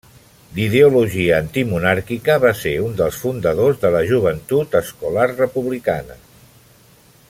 D'ideologia antimonàrquica, va ser un dels fundadors de la Joventut Escolar Republicana.